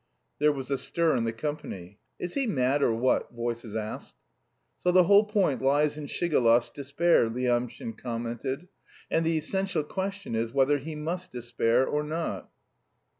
There was a stir in the company. "Is he mad, or what?" voices asked. "So the whole point lies in Shigalov's despair," Lyamshin commented, "and the essential question is whether he must despair or not?"